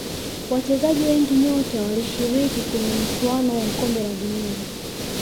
wachezaji wengi nyota walishiriki kwenye michuano ya kombe la dunia